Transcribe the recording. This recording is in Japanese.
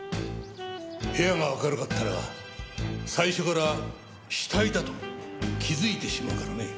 部屋が明るかったら最初から死体だと気づいてしまうからね。